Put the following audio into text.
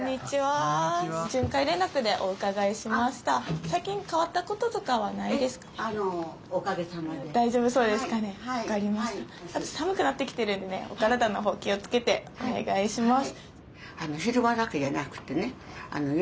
あとさむくなってきてるんでねお体のほう気をつけておねがいします。